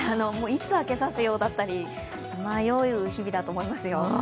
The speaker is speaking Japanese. いつ明けさせようだったり、迷う日々だと思いますよ。